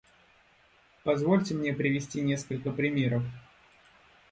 Позвольте мне привести несколько примеров.